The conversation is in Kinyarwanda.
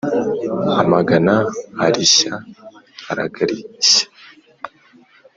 amagana arishya aragarishya.